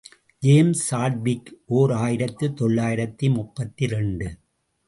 James Chadwick, ஓர் ஆயிரத்து தொள்ளாயிரத்து முப்பத்திரண்டு.